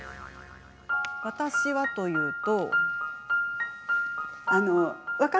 私はというと。